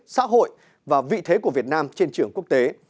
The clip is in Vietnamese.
xã hội và vị thế của việt nam trên trường quốc tế